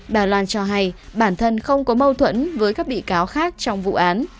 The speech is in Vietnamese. bà loan cho hay bản thân không có mâu thuẫn với các bị cáo khác trong vụ án